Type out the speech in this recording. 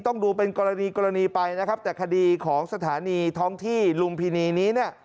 ต้องดูเป็นกรณีกรณีไปนะครับแต่คดีของสถานีท้องที่ลุมพินีนี้เนี่ย